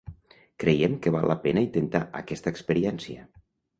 Creiem que val la pena intentar aquesta experiència.